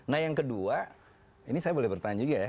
nah yang kedua ini saya boleh bertanya juga ya